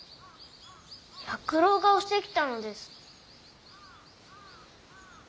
弥九郎が押してきたのです。